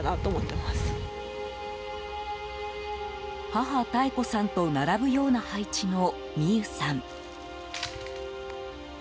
母・妙子さんと並ぶような配置の巳夢さん。